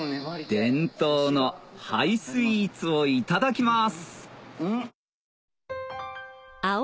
伝統の灰スイーツをいただきます！